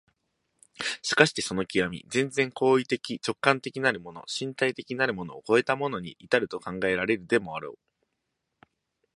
しかしてその極、全然行為的直観的なるもの、身体的なるものを越えたものに到ると考えられるでもあろう。